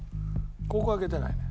ここ開けてないね。